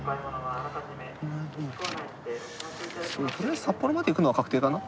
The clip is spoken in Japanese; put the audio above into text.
とりあえず札幌まで行くのは確定だな。